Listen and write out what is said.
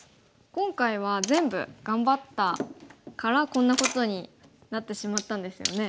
今回は全部頑張ったからこんなことになってしまったんですよね。